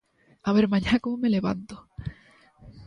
A ver mañá como me levanto.